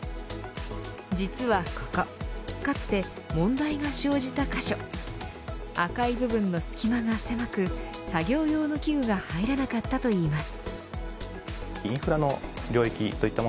実はここかつて問題が生じた箇所赤い部分の隙間が狭く作業用の器具が入らなかったといいます。